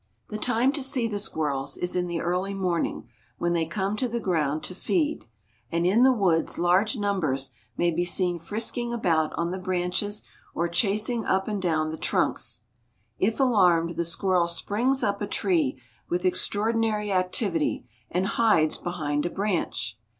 The time to see the squirrels is in the early morning when they come to the ground to feed, and in the woods large numbers may be seen frisking about on the branches or chasing up and down the trunks. If alarmed the squirrel springs up a tree with extraordinary activity and hides behind a branch.